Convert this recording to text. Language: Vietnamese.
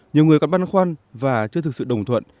nhiều người gặp băn khoăn và chưa thực sự đồng thuận